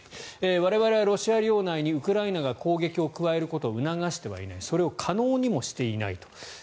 我々はロシア領内にウクライナが攻撃を加えることを促してはいないそれを可能にもしていないと。